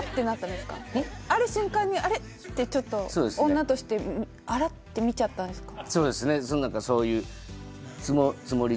ある瞬間にあれ？ってちょっと女としてあら？って見ちゃったんですか？